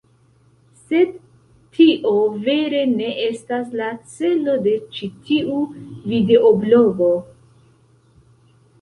Sed... tio vere ne estas la celo de ĉi tiu videoblogo.